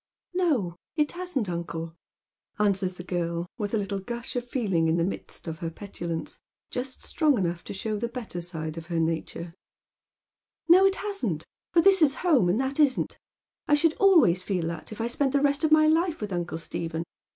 "No, it hasn't, uncle," answers the girl, with a little gush of feeling in the midst of her petulance, just strong enough to show the better side of her nature — "no, it hasn't, for this is home and Jthat isn't. I should always feel that if I spent the rest of uiy life with uncle Stephen.